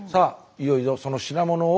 いよいよその品物を。